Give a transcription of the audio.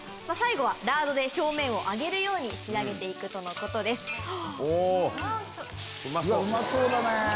最後はラードで表面を揚げるように仕上げて行くとのことです。